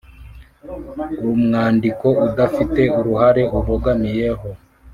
• Umwandiko udafite uruhande ubogamiyeho.